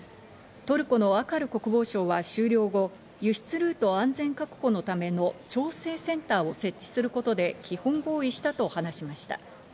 トルコのアカル国防相は終了後、輸出ルート安全確保のための調整センターを設置することで基本合意したと話しました。